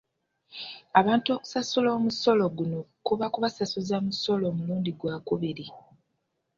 Abantu okusasula omusolo guno kuba ku basasuza musolo mulundi gwakubiri.